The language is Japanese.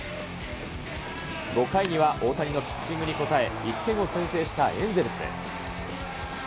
５回には大谷のピッチングに応え、１点を先制したエンゼルス。